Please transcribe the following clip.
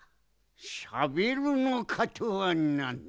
「しゃべるのか？」とはなんだ。